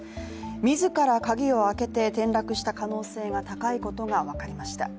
自ら鍵を開けて転落した可能性が高いことが分かりました。